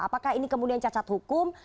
apakah ini kemudian cacat hukum